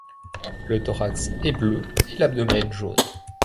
Le thorax est bleu et l'abdomen jaune.